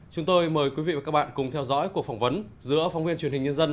chúng tôi mời quý vị và các bạn cùng theo dõi cuộc phỏng vấn giữa phóng viên truyền hình nhân dân